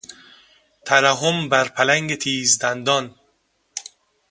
ترحم بر پلنگ تیز دندان....